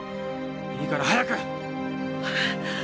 いいから早く！